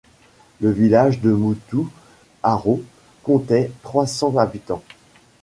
Le village de Motou-Aro comptait trois cents habitants.